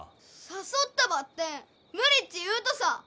誘ったばってん無理っち言うとさ。